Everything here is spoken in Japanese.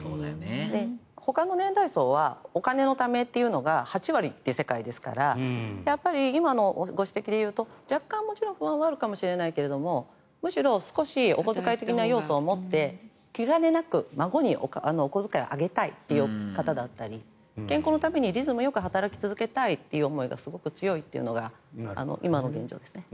ほかの年代層はお金のためというのが８割という世界ですからやっぱり今のご指摘でいうと若干、もちろん不安はあるかもしれないけれどもむしろ少しお小遣い的な要素を持って気兼ねなく孫にお小遣いをあげたいという方だったり健康のためにリズムよく働き続けたいという思いがすごく強いというのが今の現状ですね。